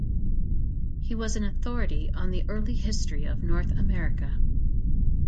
He was an authority on the early history of North America.